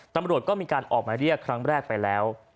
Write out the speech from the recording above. ตำรวจก็มีการออกมาเรียกครั้งแรกไปแล้ว